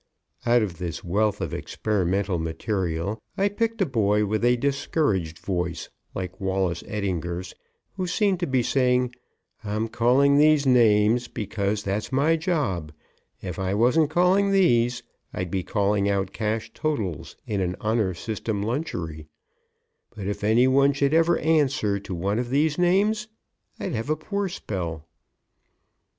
Out of this wealth of experimental material I picked a boy with a discouraged voice like Wallace Eddinger's, who seemed to be saying "I'm calling these names because that's my job if I wasn't calling these I'd be calling out cash totals in an honor system lunchery but if any one should ever answer to one of these names I'd have a poor spell."